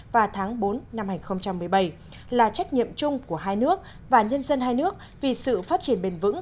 và tháng bốn năm hai nghìn một mươi bảy là trách nhiệm chung của hai nước và nhân dân hai nước vì sự phát triển bền vững